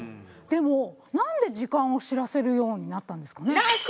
でもなんで時間を知らせるようになったんですかね？